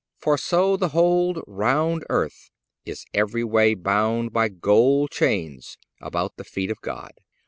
For so the whole round earth is every way Bound by gold chains about the feet of God."